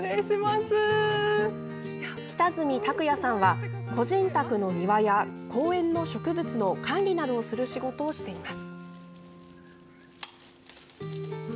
北住拓也さんは個人宅の庭や公園の植物の管理などをする仕事をしています。